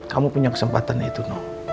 kamu punya kesempatan itu no